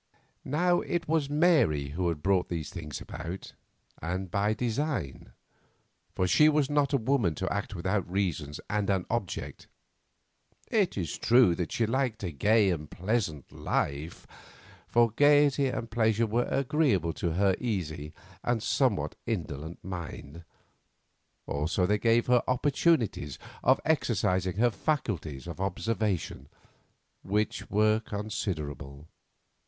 Now it was Mary who had brought these things about, and by design; for she was not a woman to act without reasons and an object. It is true that she liked a gay and pleasant life, for gaiety and pleasure were agreeable to her easy and somewhat indolent mind, also they gave her opportunities of exercising her faculties of observation, which were considerable.